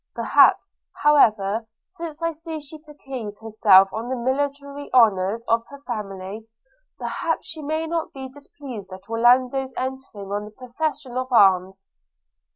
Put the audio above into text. Perhaps, however, since I see she piques herself on the military honours of her family, perhaps she may not be displeased at Orlando's entering on the profession of arms.